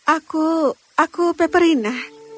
aku aku peperina